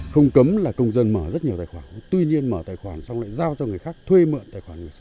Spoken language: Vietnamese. không cấm là công dân mở rất nhiều tài khoản tuy nhiên mở tài khoản xong lại giao cho người khác thuê mượn tài khoản